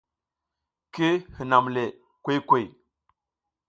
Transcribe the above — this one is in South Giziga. Ki hinam le kuy kuy.